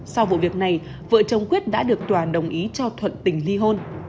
sau vụ việc này vợ chồng quyết đã được tòa đồng ý cho thuận tình ly hôn